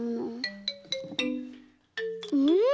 うん？